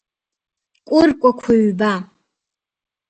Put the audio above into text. Кәыркәақәа ҩба!